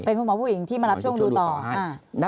เป็นคุณหมอผู้หญิงที่มารับช่วงดูต่อ